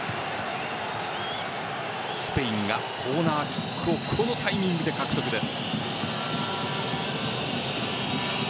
スペインがコーナーキックをこのタイミングで獲得です。